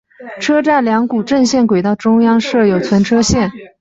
车站两股正线轨道中央设有存车线。